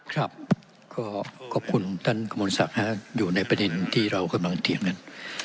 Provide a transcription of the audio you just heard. ครับก็ขอบคุณท่านกระมวลศักดิ์อยู่ในประเด็นที่เรากำลังเถียงกัน